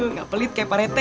nggak pelit kayak parete